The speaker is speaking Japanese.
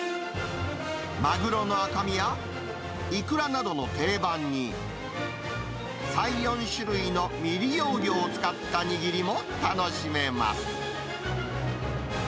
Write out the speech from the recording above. マグロの赤身や、イクラなどの定番に、３、４種類の未利用魚を使った握りも楽しめます。